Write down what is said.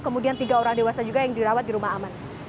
kemudian tiga orang dewasa juga yang dirawat di rumah aman